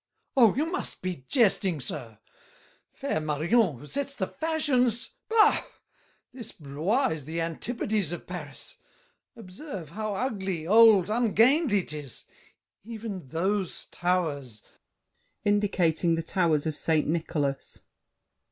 Oh, you must be jesting, sir! Fair Marion, who sets the fashions! Bah! This Blois is the antipodes of Paris. Observe! How ugly, old, ungainly, 'tis! Even those towers— [Indicating the towers of St. Nicholas.